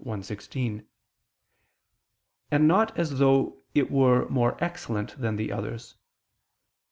1:16), and not as though it were more excellent than the others.